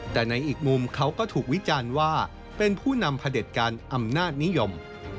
แต่ในอีกมุมเขาก็ถูกวิจารณ์ว่าเป็นผู้นำพระเด็จการอำนาจนิยม